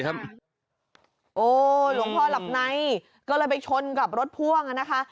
หลวงพ่อหลับในก็เลยไปชนกับรถพ่วงอ่ะนะคะ